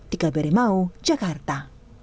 tika berimau jakarta